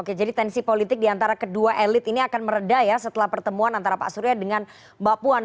oke jadi tensi politik diantara kedua elit ini akan meredah ya setelah pertemuan antara pak surya dengan mbak puan